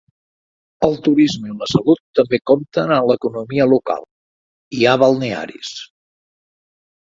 El turisme i la salut també compten en l'economia local, hi ha balnearis.